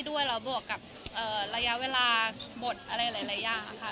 ด้วยเราบวกกับเอ่อระยะเวลาบทอะไรหลายหลายอย่างอ่ะค่ะ